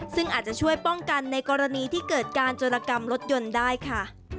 ซึ่งอาจจะช่วยป้องกันในกรณีที่เกิดการโจรกรรมรถยนต์ได้ค่ะ